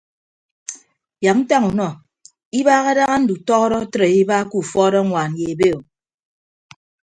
Yak ntañ unọ ibaha daña ndutọọdọ atre adiba ke ufuọd añwaan ye ebe o.